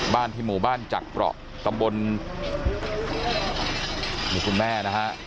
บ้านที่หมู่บ้านจักรประตำบลมีคุณแม่นะฮะ